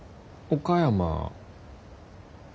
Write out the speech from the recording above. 岡山。